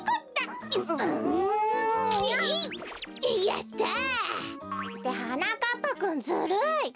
やった！ってはなかっぱくんずるい！